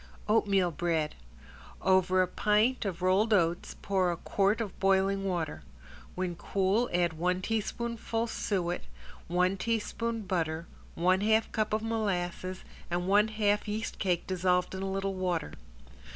~OATMEAL BREAD~ Over a pint of rolled oats pour a quart of boiling water. When cool add one teaspoonful suet, one teaspoon butter, one half cup molasses and one half yeast cake dissolved in a little water.